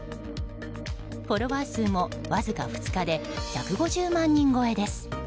フォロワー数もわずか２日で１５０万人超えです。